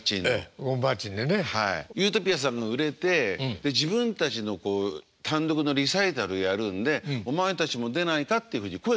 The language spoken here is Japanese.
ゆーとぴあさんが売れて自分たちの単独のリサイタルやるんでお前たちも出ないかっていうふうに声かけてくれて。